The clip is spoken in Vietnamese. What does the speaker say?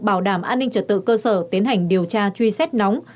bảo đảm an ninh trật tự cơ sở tiến hành điều tra truy xét nóng